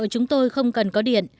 ở chợ chúng tôi không cần có điện